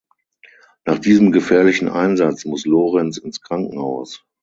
Nach diesem gefährlichen Einsatz muss Lorenz ins Krankenhaus.